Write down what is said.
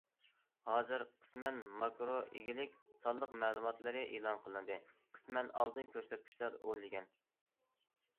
ھازىر، قىسمەن ماكرو ئىگىلىك سانلىق مەلۇماتلىرى ئېلان قىلىندى، قىسمەن ئالدىن كۆرسەتكۈچلەر ئۆرلىگەن.